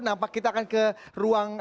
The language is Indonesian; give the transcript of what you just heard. nampak kita akan ke ruang